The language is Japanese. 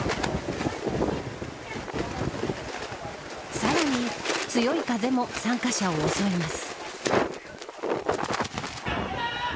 さらに、強い風も参加者を襲います。